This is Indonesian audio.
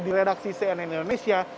di redaksi cnn indonesia